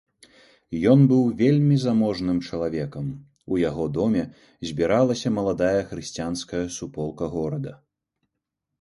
Ён быў вельмі заможным чалавекам, у яго доме збіралася маладая хрысціянская суполка горада.